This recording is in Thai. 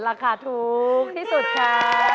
ราคาถูกที่สุดค่ะ